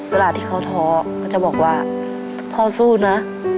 เวลาที่เขาท้อเขาจะบอกว่าพ่อสู้นะ